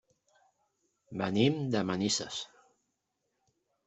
Venim de Manises.